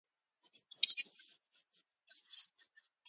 ګرانجرانو لوېدیځو ایالتونو مقننه جرګې په ولکه کې واخیستې.